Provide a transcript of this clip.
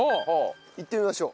行ってみましょう。